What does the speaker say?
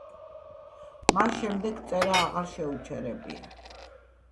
მას შემდეგ წერა აღარ შეუჩერებია.